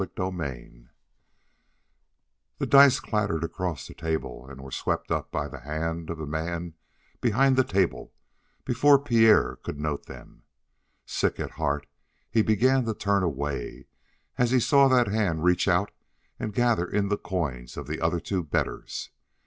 CHAPTER 5 The dice clattered across the table and were swept up by the hand of the man behind the table before Pierre could note them. Sick at heart, he began to turn away, as he saw that hand reach out and gather in the coins of the other two bettors.